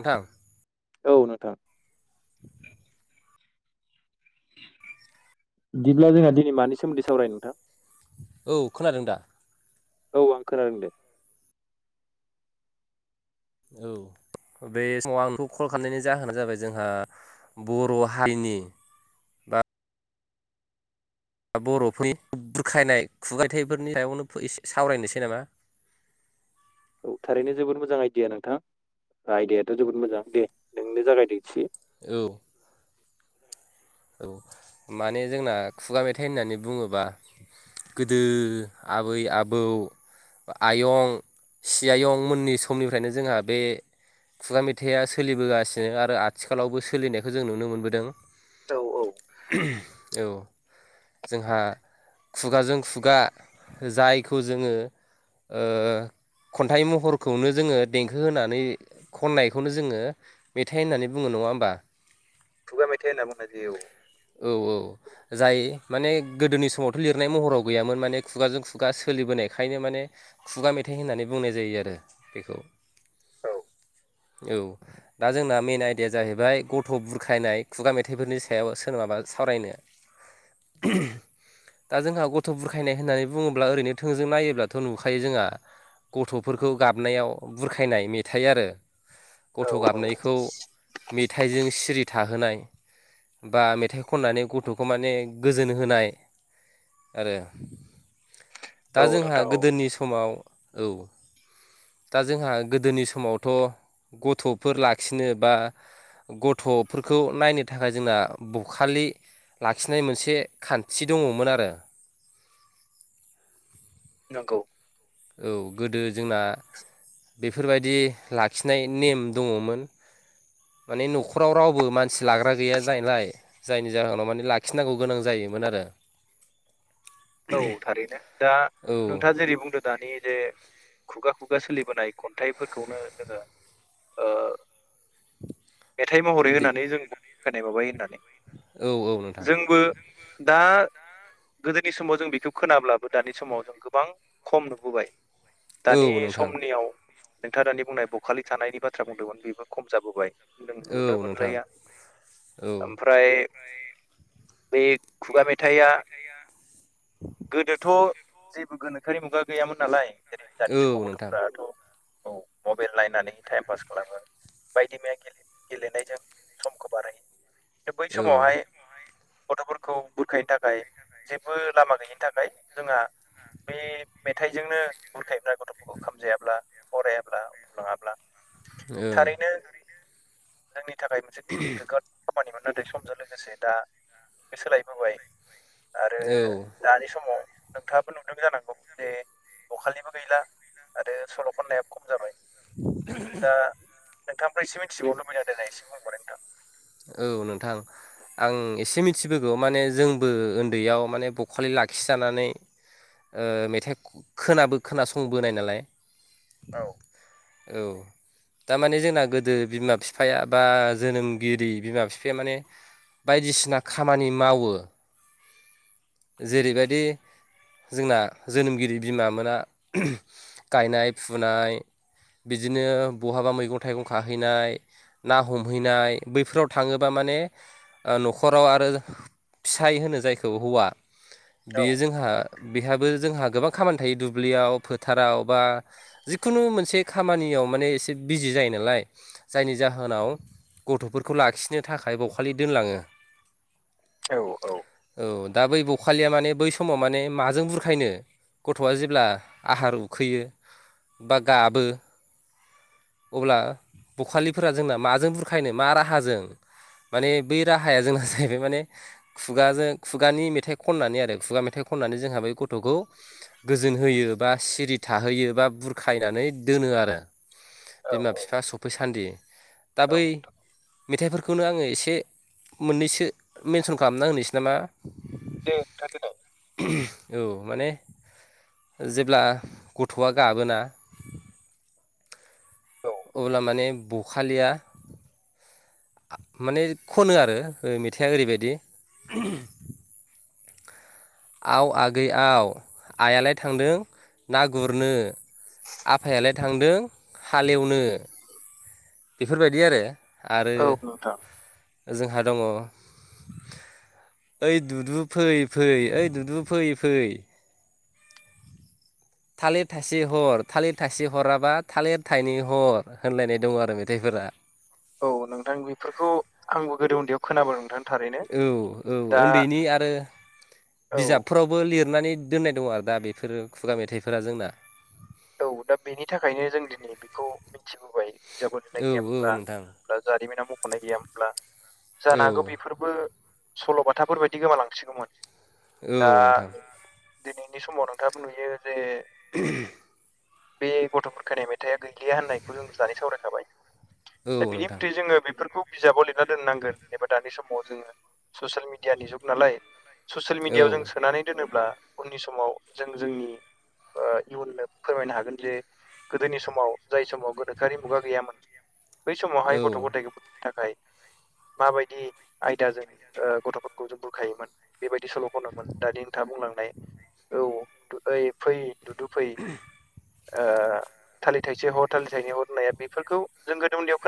ओंथां औ नोंथां बिदिब्ला जोंना दिनै मानि सोमोन्दै सावराय नोंथां औ खोनादों दा औ आं खोनादों दे औ बे समाव आंखौ कल खालामनायनि जाहोना जाबाय जोंहा बर' हारिनि बा बर'फोरनि [unintelligible] बुरखायनाय खुगायथाइफोरनि सायावनो एसे सावरायनोसै नामा औ थारैनो जोबोद मोजां आइडिया नोंथां आयडिायाथ' जोबोद मोजां दे नोंनो जागायदों एसे औ औ माने जोंना खुगा मेथाइ होननानै बुङोबा गोदो आबै आबौ आयं सि आयं मोननि समनिफ्रायनो जोंहा बे खुगा मेथाइआ सोलिबोगासिनो आरो आथिखालावबो सोलिनायखौ जों नुनो मोनबोदों। औ औ औ जोंहा खुगाजों खुगा जायखौ जोङो खन्थाइ महरखौनो जोङो देंखो होनानै खननायखौनो जोङो मेथाइ होननानै बुङो नङा होमबा खुगा मेथाइ होनना बुंना जे औ औ औ जाय माने गोदोनि समावथ' लिरनाय महराव गैयामोन माने खुगाजों खुगा सोलिबोनायखायनो माने खुगा मेथाइ होननानै बुंनाय जायो आरो बेखौ औ औ दा जोंना मेन आइदिया जाहैबाय गथ' बुरखायनाय खुगा मेथ मेथाइफोरनि सायाव सोर माबा सावरायनो दा जोंहा गथ' बुरखायनाय होननानै बुङोब्ला ओरैनो थोंजों नायोब्लाथ' नुखायो जोंहा गथ'फोरखौ गाबनायाव बुरखायनाय मेथाइ आरो औ गथ' औ गाबनायखौ मेथाइजों सिरि थाहोनाय बा मेथाइ खननानै गथ'खौ माने गोजोन होनाय आरो दा औ जोंहा नोंथां औ गोदोनि समाव औ दा जोंहा गोदोनि समावथ' गथ'फोर लाखिनो बा गथ'फोरखौ नायनो थाखाय जोंना बखालि लाखिनाय मोनसे खान्थि दङ'मोन आरो नंगौ। औ गोदो जोंना बेफोरबायदि लाखिनाय नेम दङ'मोन। माने न'खराव रावबो मानसि लाग्रा गैया जानायलाय जायनि जाहोनाव माने लाखिनांगौ गोनां जायोमोन आरो औ थारैनो दा आरो औ नोंथाङा जेरै बुंदों दानि जे खुगा खुगा सोलिबोनाय खन्थाइफोरखौनो जोङो ओ मेथाइ महरै दे होनानै जों बुरखायनाय माबायै होननानै औ औ नोंथां जोंबो दा नि समाव जों बेखौ खोनाब्लाबो दानि समाव जों गोबां खम नुबोबाय दानि औ नोंथां समनियाव नोंथाङा दानि बुंनाय बखालि थानायनि बाथ्रा बुंदोंमोन बेबो खम जाबोबाय। नों नुनो औ नोंथां मोनलाया औ ओमफ्राय बे खुगा मेथाइआ ओहो गोदोथ' जेबो गोनोखोआरि मुगा गैयामोन नालाय जेरै औ दानि समाव नोंथां गथ'फोराथ' औ मबाइल नायनानै टाइम पास खालामो। बायदि मैया गेले गेलेनायजों समखौ बारायो। दा बै औ ओं समावहाय गथ'फोरखौ बुरखायनो थाखाय बो लामा गैयिनि थाखाय जोंहा बे बे मेथाइजोंनो बुरखायग्रा गथ'फोरखौ खामजायाब्ला फरायाब्ला उन्दुलाङाब्ला औ थारैनो जोंनि थाखाय मोनसे [unintelligible] ओद खामानिमोन नाथाय समजों लोगोसे दा बे सोलायबोबाय। आरो औ दानि समाव नोंथाङाबो नुदों जानांगौ जे बखालिबो गैला। आरो सल' खननाया खम जाबाय। दा, नोंथांनिफ्राय एसे मिथिबावनो लुबैदों, एसे मख'लाय नोंथां? औ नोंथां, आं एसे मिथिबोगौ माने जोंबो उन्दैयाव माने बखालि लाखिजानानै, ओ मेथाइ खोनाबो खोनासंबोनाय नालाय। औ औ दा माने जोंना गोदो बिमा फिफाया बा जोनोम गिदे बिमा फिफाया माने बायदिसिना खामानि मावो। जेरैबादि जोंना जोनोमगिरि बिमा मोना गायनाय फुनाय बिदिनो बहाबा मैगं-थाइगं खाहैनाय, ना हमहैनाय, बैफोराव थाङोबा माने न'खराव आरो फिसाय होनो जायखौ हौवा। नोंथां औ बेयो जोंहा बेहाबो जोंहा, गोबां खामानि थायो दुब्लियाव, फोथाराव बा जिखुनु मोनसे खामानियाव माने एसे, बिजि जायो नालाय, जायनि जाहोनाव गथ'फोरखौ लाखिनो थाखाय बखालि दोनलाङो। औ औ औ दा बै बखालिया माने, बै समाव माने माजों बुरखायनो? गथ'आ जेब्ला आहार उखैयो बा, गाबो। अब्ला, बखालिफोरा जोंना माजों बुरखायनो मा राहाजों? माने बै राहाया जोंना जाहैबाय माने, खुगाजों खुगानि मेथाइ खननानै आरो खुगा मेथाइ खननानै जोंहा गद गथ'खौ गोजोन होयो बा, सिरि थाहोयो बा, बुरखायनानै दोनो आरो। औ बिमा बिफा औ सफैसान्दि दा औ बै नोंथां मेथाइफोरखौनो आङो एसे मोननैसो मेनसन खालामना होनोसै नामा? दे नोथां देनाय [unintelligible] औ माने, जेब्ला गथ'आ गाबोना? औ अब्ला माने बखालिया, माने खनो आरो मेथाइआ ओरैबायदि, आव आगै आव आइयालाय थांदों ना गुरनो। आफायालाय थांदों हालेवनो, बेफोरबायदि आरो आरो औ नोंथां जोंहा दङ। ओइ दुदु फै-फै ओइ ददु फै-फै, थालिर थासे हर, थालिर थासे हराबा थालिर थाइनै हर, होनलायनाय दङ आरो मेथाइफोरा। औ नोंथां बेफोरखौ आंबो गोदो उन्दैयाव खोनाबो नोंथां। थारैनो औ औ दा उन्दैनि आरो औ बिजाबफोराव, बो लिरनानै दोननाय दङ आरो दा बेफोर खुगा मेथाइफोरा जोंना। औ दा बेनि थाखायनो जों दिनै बेखौ मिथिबोबाय बिजाब लिरनाय औ औ गैयामोनब्ला? नोंथां दा जारिमिनाव मख'नाय गैया मोनब्ला, औ जानो हागौ बेफोर बो सल'बाथाफोरबायायदि गोमालांसिगौमोन औ दा नोंथां दिनैनि समाव नोंथाङाबो नुयो जे [unintelligible] बे गथ'बुखानाय मेथाइआ गैलिया होननायखौ जों दानि सावरायखाबाय, औ दा बिनि नोंथां मथै जोङो बेफोरखौ बिजाबाव लिरना दोननांगोन एबा दानि समाव जोङो, ससियेल मिडियानि जुग नालाय ससियेल मिडियायाव जों औ सोनानै दोनोब्ला उननि समाव जों जोंनि इयुननो फोरमायनो हागोन जे गोदोनि समाव जाय समाव गोनोखोआरि मुगा गैयामोन, बै समावहाय गथ' औ गथाय थाखाय माबायदि आयदाजों गथ'फोरखौ जों बुरखायोमोन, बेबायदि सल'खनोमोन दानि नोंथाङा बुंलांनाय औ ओइ फै दुदु फै, [inaudible] ओ थालिर थाइसे हर थालिर थाइनै हरनाया बेफोरखौ जों गोदो उन्दैयाव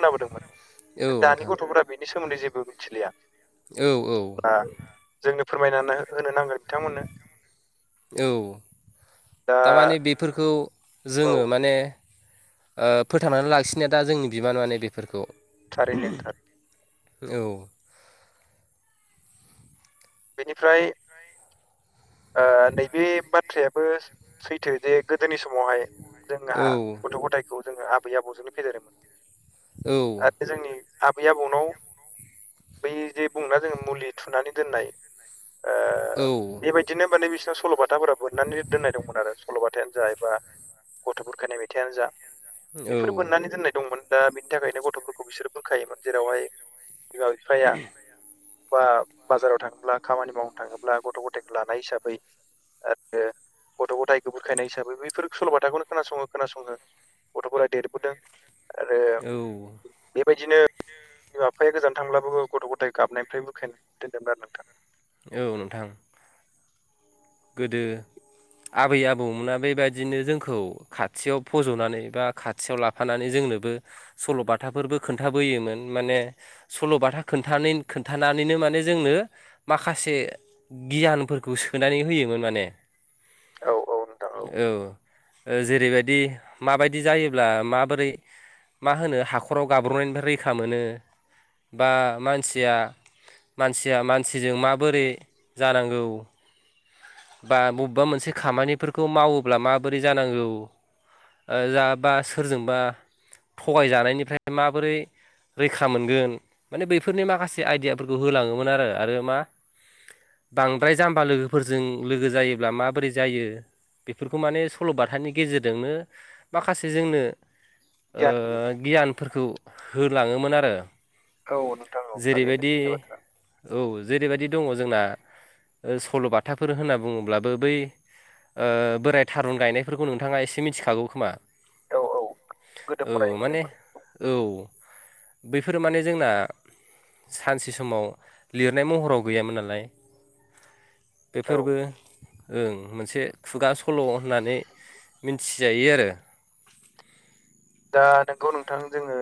औ खोनाबोदोंमोन दानि नोंथां गथ'फोरा बेनि सोमोन्दै जेबो मिथिलिया औ औ जोंनो फोरमायनानै होनो नांगोन बिथांमोननो दा फोरफोरखौ औ जोङो माने, ओ फोथांनानै लाखिनाया दा जोंनि बिबान माने बेफोरखौ, थारि नेथार औ बेनिफ्राय नैबे बाथ्रायाबो सैथो जे गोदोनि समावहाय, औ जोंहा गथ' गथायखौ जोङो आबै आबौजोंनो फेदेरोमोन औ आरो जोंनि आबै आबौनाव बै जे बुङा जोङो मुलि थुनानै दोननाय ओ औ बेबायदिनो माने बिसिोरना सल'बाथाफोरा बोननानै दोननाय दंमोन आरो सल'बथायानो जा एबा गथ'फोरखानि मेथाइआनो जा बेफोरो बोननानै दोननाय दंमोन दा बिनि थाखायनो गथ'फोरखौ बिसोरो बोखायोमोन जेरावहाय बिमा बिफाया बा बाजाराव थाङोब्ला खामानि मावनो थाङोब्ला गथ' गथायखौ लानाय हिसाबै आरो गथ' गथायखौ बुरखायनाय हिसाबै बैफोर सल'बाथाखौनो खोनासङो खोनासङो गथ'फोरा देरबोदों आरो औ बेबायदिनो बिमा बिफाया गोजान थांब्लाबो गथ' गथाय गाबनायनिफ्राय बोखायनो दोनदेनबाय आरो नोंथां औ नोंथां गोदो आबै आबौमोना बेबायदिनो जोंखौ खाथियाव फज'नानै बा खाथियाव लाफानानै जोंनोबो सल'बाथाफोरबो खोन्थाबोयोमोन माने सल'बाथा खोन्थानानै खोन्थानानैनो माने जोंनो माखासे गियानफोरखौ सोनानै होयो माने औ औ नोंथां औ जेरै बिदि माबायदि जायोब्ला माबोरै मा होनो हाख'राव गाब्र'नायनिफ्राय रैखा मोनो बा मानसिया मसिया मानसिजों माबोरै जानांगौ बा बबेबा मोनसे खामानिफोरखौ मावोब्ला माबोरै जानांगौ जाबा सोरजोंबा थगायजानायनिफ्राय माबोरै रैखा मोनगोन माने बैफोरनि माखासे आइदिियाफोरखौ होलाङोमोन आरो आरो मा बांद्राय जाम्बा लोगोफोरजों लोगो जायोब्ला माबोरै जायो बेफोरखौ माने सल'बाथानि गेजेरजोंनो माखासे जोंनो गियान गियानफोरखौ होलाङोमोन आरो औ नोंथां औ थारैनो जेरैबायदि सैथो बाथ्रा औ जेरैबायदि दङ' जोंना सल'बाथा फोर होनना बुङोब्लाबो बै बोराइ थारुन गायनायफोरखौ नोंथाङा एसे मिथिखागौ खोमा औ औ गोदो औ फरायनो माने मोनदोंमोन औ बैफोरो माने जोंना सानसे समाव लिरनाय महराव गैयामोन नालाय औ बेफोरबो ओं मोनसे खुगा सल' होननानै मिन्थिजायो आरो दा नोंगौ नोंथां जोङो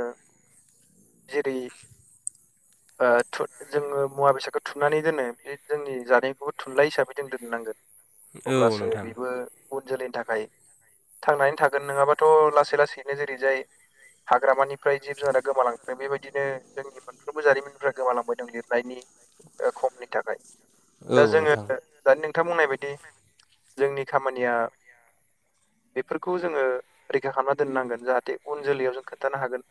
जेरै थु जोङो मुवा बेसादखौ थुनानै दोनो बे जोंनि जानायखौबो थुनलाइ हिसाबै जों दोननांगोन औ अब्लासो नोंथां बेबो उन जोलैनि थाखाय थांनानै थागोन नङाबाथ' लासै लासैनो नो जेरै जाय हाग्रामानिफ्राय जिब जुनारा गोमालांदों बेबायदिनो जोंनि मोनफ्रोमबो जारिमिनफ्रा गोमालांबाय दं लिरनायनि खमनि थाखाय औ दा जोङो नोंथां दानि नोंथां बुंनाय बायदि जोंनि खामानिया बेफोरखौ जोङो रैखा खालामना दोननांगोन। जाहाथे उन जोलै जों खोन्थानो हागोन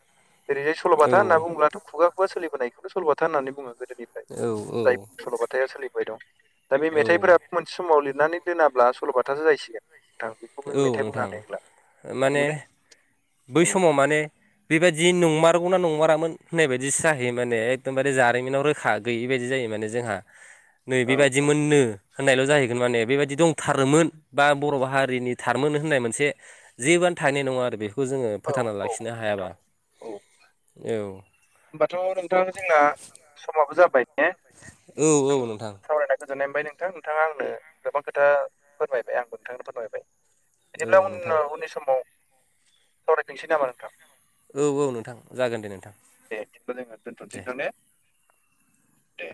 ओरैाय औ सल'बाथा होनना बुङोब्लाथ' खुगा खगा सलिबोनायथ' सल'ब्था होननानै बुङो गोदोनि औ औ सल'बाथा सोलिबाय दं दा बे औ मेथाइफोरा मोनसे समाव लिरनानै दोनाब्ला सल'बाथासो जायसिगोन थां बेखौबो औ जों मेथाइ बुं नोंथां हानाय होनला माने नंगौले बै समाव माने बेबायदि नंमारगौना नंमारामोन होननाय बायदिसो जाहैयो माने एखदमबारे जारिमिनाव रोखा गैयि बायदि जायो माने जोंहा [inaudible] नै बेबायदिमोननो होननायल' जाहैगोन माने बेबायदि दंथारोमोन बा बर' बाहारि हारिनि थारमोन होननाय मोनसे जेबोआनो थानायनाय नङा आरो बेखौ जोङो औ फोथांना औ लाखिनो हायाबा नोंथां औ औ होमबाथ' नोंथां जोंना समाबो जाबाय ने औ औ आं नोंथां सावरायनाय गोजोननाय बाय नोंथां नोंथाङा आंनो गोबां खोथा फोरमायबाय आंबो नोंथांनो फोरमायबाय। औ बिदिब्ला उन नोंथां उननि समाव सावरायफोंसै नामा नोंथां। औ औ नोंथां जागोन दे नोंथां। दे बिदिबा जोंहा दोनथ' दे सै दां ने। दे